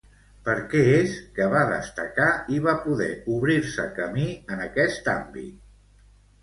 Per què és que va destacar i va poder obrir-se camí en aquest àmbit?